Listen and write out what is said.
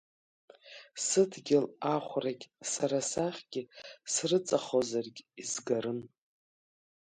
Сыдгьыл ахәрагь сара сыхьгьы срыҵахозаргь изгарын.